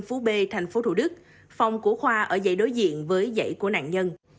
phố b tp thủ đức phòng của khoa ở dãy đối diện với dãy của nạn nhân